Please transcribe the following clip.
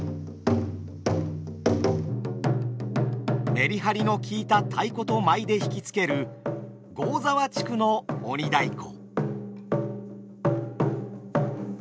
メリハリのきいた太鼓と舞で引き付ける合沢地区の鬼太鼓。